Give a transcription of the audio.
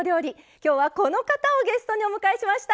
今日はこの方をゲストにお迎えしました。